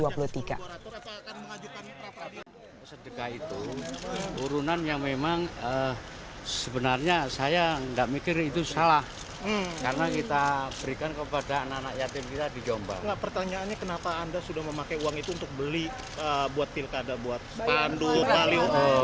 pertanyaannya kenapa anda sudah memakai uang itu untuk beli buat tilkada buat pandu bali